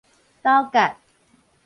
斗葛